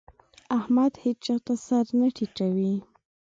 احمد هيچا ته سر نه ټيټوي.